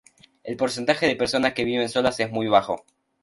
El porcentaje de personas que viven solas es muy bajo.